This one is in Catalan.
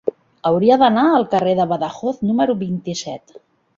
Hauria d'anar al carrer de Badajoz número vint-i-set.